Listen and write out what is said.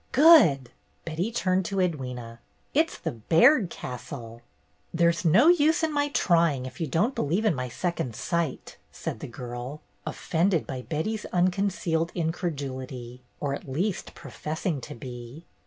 "Good!" Betty turned to Edwyna. "It's the Baird Castle." "There 's no use in my trying, if you don't believe in my second sight," said the girl, offended by Betty's unconcealed incredulity, or at least professing to be.